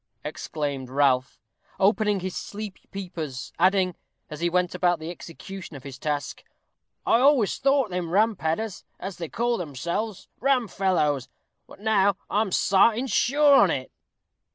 exclaimed Ralph, opening wide his sleepy peepers; adding, as he went about the execution of his task, "I always thought them Rum padders, as they call themselves, rum fellows, but now I'm sartin sure on it."